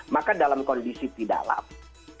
maka dalam kondisi tidak lama